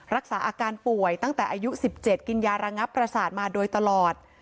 รักษาอาการป่วยตั้งแต่อายุ๑๗กินยาระงับประสาทมาโดยตลอด